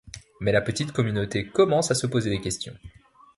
Mais la petite communauté commence à se poser des questions.